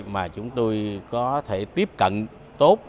mà chúng tôi có thể tiếp cận tốt